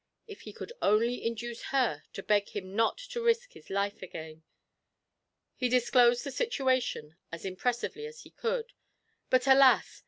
If he could only induce her to beg him not to risk his life again! He disclosed the situation as impressively as he could; but, alas!